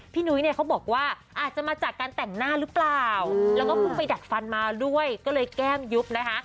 นุ้ยเนี่ยเขาบอกว่าอาจจะมาจากการแต่งหน้าหรือเปล่าแล้วก็เพิ่งไปดักฟันมาด้วยก็เลยแก้มยุบนะคะ